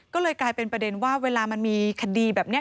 ก็เลยกลายเป็นประเด็นว่าเวลามันมีคดีแบบนี้